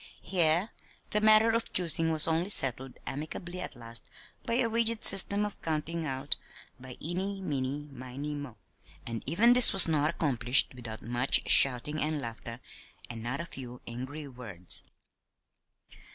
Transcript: Here the matter of choosing was only settled amicably at last by a rigid system of "counting out" by "Eeny, meany, miny, mo"; and even this was not accomplished without much shouting and laughter, and not a few angry words.